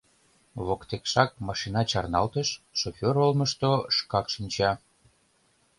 Воктекшак машина чарналтыш, шофёр олмышто шкак шинча.